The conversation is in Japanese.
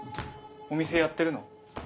お店やってるの？